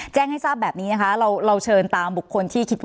แจ้งให้ทราบแบบนี้นะคะเราเชิญตามบุคคลที่คิดว่า